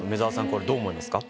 これどう思いますか？